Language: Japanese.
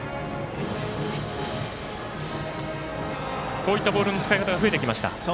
こういったボールの使い方が増えてきました。